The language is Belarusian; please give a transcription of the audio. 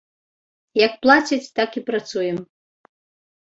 Як плацяць, так і працуем.